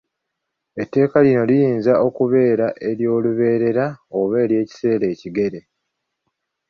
Etteeka lino liyinza okubeera eryolubeerera oba eryekiseera ekigere.